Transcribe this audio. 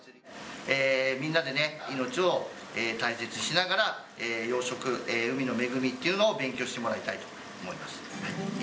みんなでね、命を大切にしながら、養殖、海の恵みというのを勉強してもらいたいと思います。